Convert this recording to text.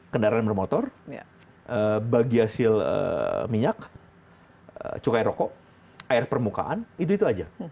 kendaraan bermotor bagi hasil minyak cukai rokok air permukaan itu itu aja